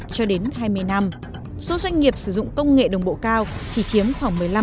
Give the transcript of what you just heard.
số doanh nghiệp sử dụng công nghệ đồng bộ cao chỉ chiếm khoảng một mươi năm hai mươi